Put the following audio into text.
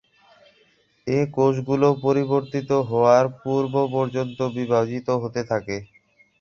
এ কোষগুলো পরিবর্তিত হওয়ার পূর্ব পর্যন্ত বিভাজিত হতে থাকে।